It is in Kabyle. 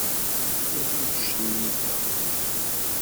Ur ten-ttcellifeɣ.